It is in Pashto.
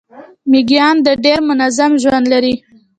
میږیان ډیر منظم ژوند لري